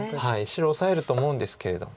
白オサえると思うんですけれども。